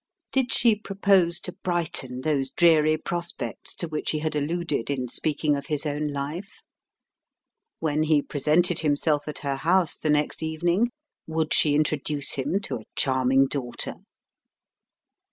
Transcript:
Did she propose to brighten those dreary prospects to which he had alluded in speaking of his own life? When he presented himself at her house the next evening would she introduce him to a charming daughter?